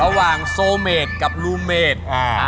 ระหว่างโซเมจกับลูเมจ